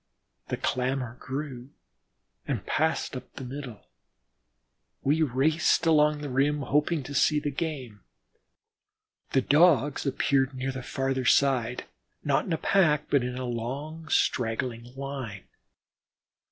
The clamor grew and passed up the middle. We raced along the rim, hoping to see the game. The Dogs appeared near the farther side, not in a pack, but a long, straggling line.